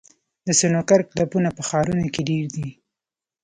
د سنوکر کلبونه په ښارونو کې ډېر دي.